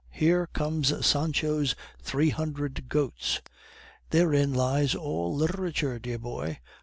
here comes Sancho's three hundred goats." "Therein lies all literature, dear boy.